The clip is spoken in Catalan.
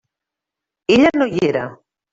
Ella no hi era.